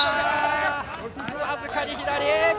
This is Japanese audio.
僅かに左。